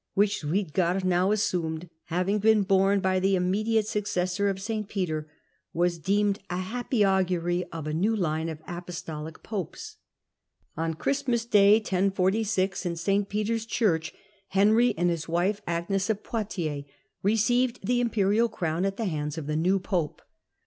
which Suidger now assumed, having been "^bome by the immediate successor of St. Peter, was deemed a happy augury of a new line of apostolic popes. On Christmas day, in St. Peter's church, Henry, with his wife, Agnes of Poictiers, received the imperial Henry iH. crowu at the hauds of the new pope.